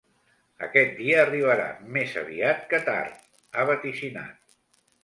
Aquest dia arribarà, més aviat que tard, ha vaticinat.